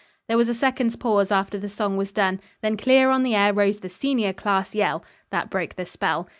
There was a second's pause after the song was done. Then clear on the air rose the senior class yell. That broke the spell.